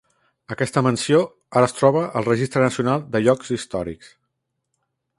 Aquesta mansió, ara es troba al registre nacional de llocs històrics.